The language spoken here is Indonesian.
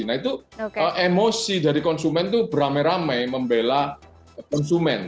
nah itu emosi dari konsumen itu beramai ramai membela konsumen